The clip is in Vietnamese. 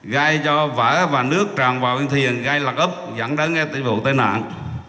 gây cho vỡ và nước tràn vào bên thuyền gây lạc úp dẫn đến tình vụ tên nạn